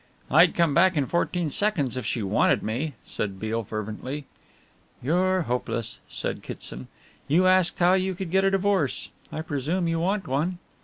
"I'd come back in fourteen seconds if she wanted me," said Beale fervently. "You're hopeless," said Kitson, "you asked how you could get a divorce. I presume you want one."